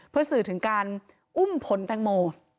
เพื่อสื่อถึงการอุ้มผลแตงโม